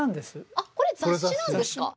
あっこれ雑誌なんですか？